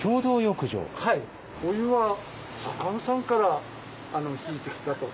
お湯は佐勘さんから引いてきたと。